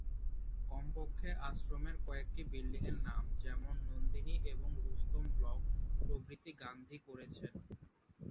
কমপক্ষে আশ্রমের কয়েকটি বিল্ডিংয়ের নাম যেমন নন্দিনী, এবং রুস্তম ব্লক প্রভৃতি গান্ধী করেছেন।